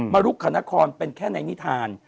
รุกขนครเป็นแค่ในนิทาน